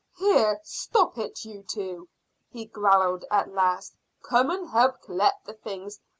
"Here, stop it, you two," he growled at last. "Come and help collect the things."